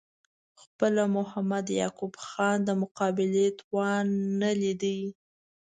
خپله محمد یعقوب خان د مقابلې توان نه لید.